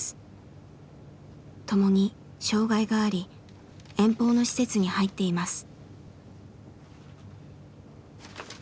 ともに障害があり遠方の施設に入っています。